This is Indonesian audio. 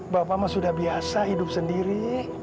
bapak mah sudah biasa hidup sendiri